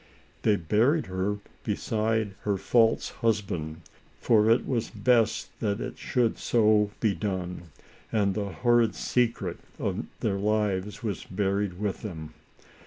They buried her beside her false husband, for it was best that it should so be done, and the hor rid secret of their lives was buried with them.